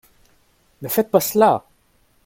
Ne faites pas cela !